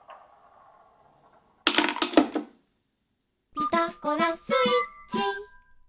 「ピタゴラスイッチ」